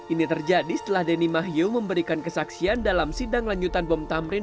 ini terjadi setelah denny mahyu memberikan kesaksian dalam sidang lanjutan bom tamrin